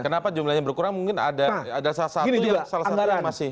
kenapa jumlahnya berkurang mungkin ada salah satu yang masih